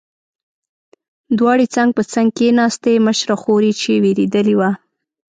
دواړې څنګ په څنګ کېناستې، مشره خور یې چې وېرېدلې وه.